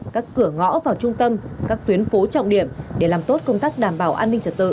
các cửa ngõ vào trung tâm các tuyến phố trọng điểm để làm tốt công tác đảm bảo an ninh trật tự